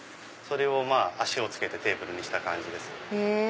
それを脚を付けてテーブルにした感じです。